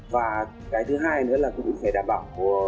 và cái thứ hai nữa là cũng phải đảm bảo